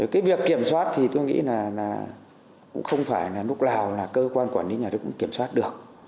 cái việc kiểm soát thì tôi nghĩ là cũng không phải là lúc nào là cơ quan quản lý nhà nước cũng kiểm soát được